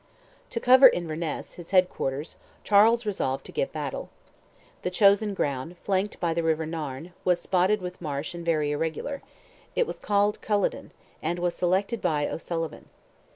To cover Inverness, his head quarters, Charles resolved to give battle. The ground chosen, flanked by the river Nairn, was spotted with marsh and very irregular; it was called Culloden, and was selected by O'Sullivan.